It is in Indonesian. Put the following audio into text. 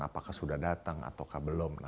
apakah sudah datang ataukah belum